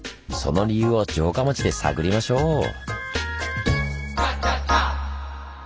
その理由を城下町で探りましょう！